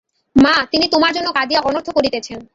মা, তিনি তোমার জন্য কাঁদিয়া অনর্থ করিতেছেন।